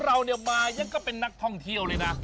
เราเนี่ยมายังก็เป็นนักท่องเที่ยวเลยนะ